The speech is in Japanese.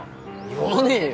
言わねえよ！